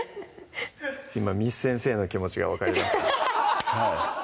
今簾先生の気持ちが分かりました